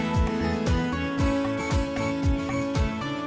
โปรดติดตามตอนต่อไป